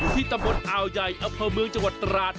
ที่ตำบลอ่าวยัยอเวอร์เมืองจังหวัดตะลาด